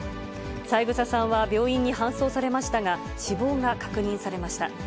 三枝さんは病院に搬送されましたが、死亡が確認されました。